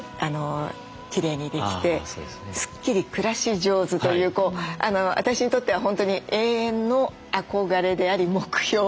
スッキリ暮らし上手という私にとっては本当に永遠の憧れであり目標です。